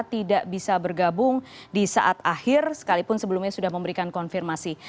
tidak bisa bergabung di saat akhir sekalipun sebelumnya sudah memberikan konfirmasi